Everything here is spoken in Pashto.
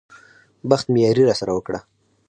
بخت مې ياري راسره وکړه.